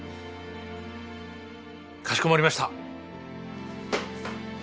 かしこまりました！